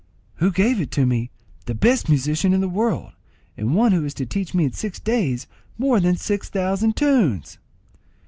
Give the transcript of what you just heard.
"Who gave it me? The best musician in the world, and one who is to teach me in six days more than six thousand tunes!"